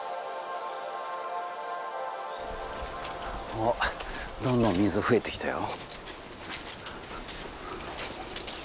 おっどんどん水増えてきたよ。